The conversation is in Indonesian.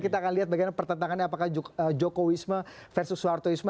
kita akan lihat bagaimana pertentangannya apakah joko wisma versus suharto wisma